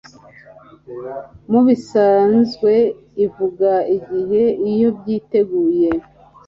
mubisanzwe ivuga igihe Iyo byiteguye